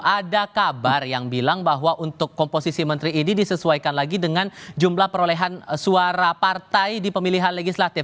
ada kabar yang bilang bahwa untuk komposisi menteri ini disesuaikan lagi dengan jumlah perolehan suara partai di pemilihan legislatif